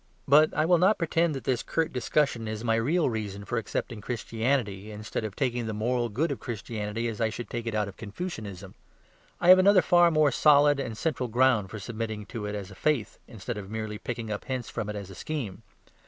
But I will not pretend that this curt discussion is my real reason for accepting Christianity instead of taking the moral good of Christianity as I should take it out of Confucianism. I have another far more solid and central ground for submitting to it as a faith, instead of merely picking up hints from it as a scheme.